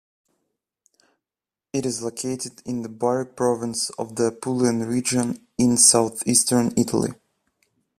It is located in the Bari province of the Apulian region, in southeastern Italy.